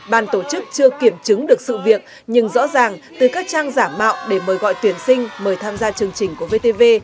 ban tổ chức chưa kiểm chứng được sự việc nhưng rõ ràng từ các trang giả mạo để mời gọi tuyển sinh mời tham gia chương trình của vtv